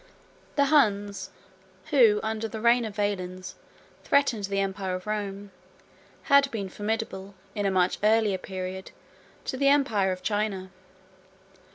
The Huns, who under the reign of Valens threatened the empire of Rome, had been formidable, in a much earlier period, to the empire of China.